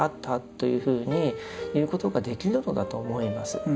というふうに言うことができるのだと思います。